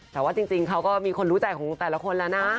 แต่ว่าจริงเขาก็มีคนรู้ใจของแต่ละคนแล้วนะ